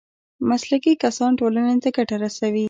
مسلکي کسان ټولنې ته ګټه رسوي